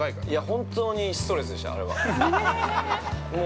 ◆本当にストレスでした、あれは。